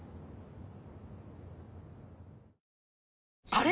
あれ？